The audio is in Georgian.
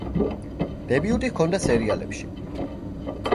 დებიუტი ჰქონდა სერიალებში.